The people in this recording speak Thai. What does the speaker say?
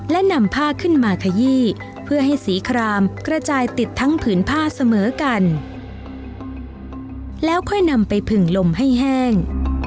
และนำผ้าขึ้นมาขยี้เพื่อให้สีครามกระจายติดทั้งผืนผ้าเสมอกันแล้วค่อยนำไปผึ่งลมให้แห้ง